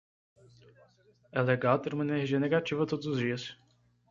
É legal ter uma energia negativa todos os dias.